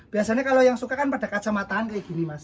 biasanya kalau yang suka kan pada kacamataan kayak gini mas